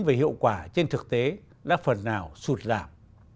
đối với hiệu quả trên thực tế đã phần nào sụt lạm